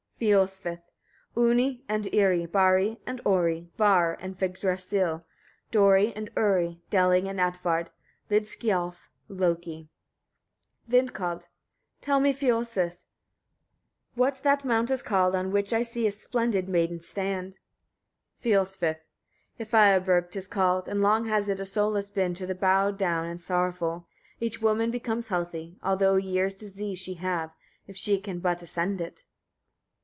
Fiolsvith. 35. Uni and Iri, Bari and Ori, Var and Vegdrasil, Dorri and Uri, Delling and Atvard, Lidskialf, Loki. Vindkald. 36. Tell me, Fiolsvith! etc., what that mount is called, on which I see a splendid maiden stand? Fiolsvith. 37. Hyfiaberg 'tis called, and long has it a solace been to the bowed down and sorrowful: each woman becomes healthy, although a year's disease she have, if she can but ascend it.